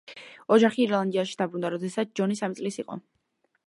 ოჯახი ირლანდიაში დაბრუნდა, როდესაც ჯონი სამი წლის იყო.